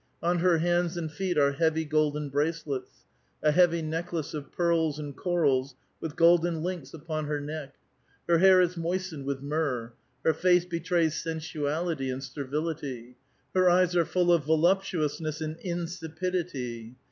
On her hands and feet are heavy golden bracelets ; a heavy necklace of pearls and corals with golden links upon her neck. Her hair is moistened with mvrrh. Her face betravs sensualitv and servility. Her eyes are full of voluptuousness and insipidity.